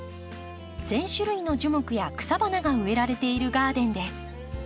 １，０００種類の樹木や草花が植えられているガーデンです。